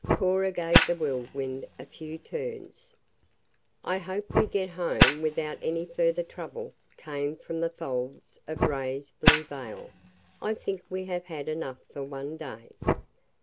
Cora gave the Whirlwind a few turns. "I hope we get home without any further trouble," came from the folds of Ray's blue veil. "I think we have had enough for one day."